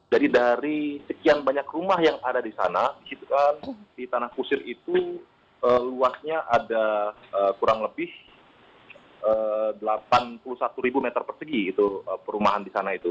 jadi dari sekian banyak rumah yang ada di sana di tanah kusir itu luasnya ada kurang lebih delapan puluh satu meter persegi